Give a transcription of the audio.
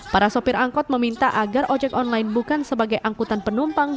para sopir angkot meminta agar ojek online bukan sebagai angkutan penumpang